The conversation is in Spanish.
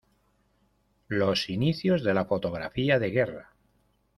Los inicios de la fotografía de guerra.